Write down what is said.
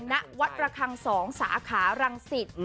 ณวัดระคัง๒สาขารังสิต